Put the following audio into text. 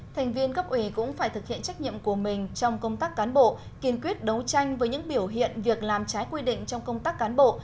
thành viên cấp ủy cũng phải thực hiện trách nhiệm của mình trong công tác cán bộ kiên quyết đấu tranh với những biểu hiện việc làm trái quy định trong công tác cán bộ